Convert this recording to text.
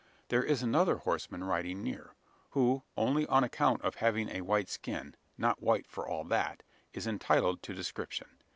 There is another horseman riding near, who, only on account of having a white skin not white for all that is entitled to description.